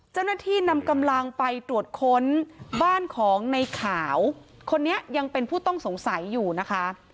เจ้าหน้าที่นำกำลังไปตรวจค้นบ้านของในขาวคนนี้ยังเป็นผู้ต้องสงสัยอยู่นะคะ